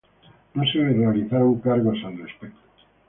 No se le realizaron cargos al respecto.